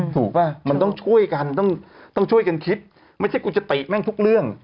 ถูกป่ะมันต้องช่วยกันต้องช่วยกันคิดไม่ใช่กูจะติแม่งทุกเรื่อง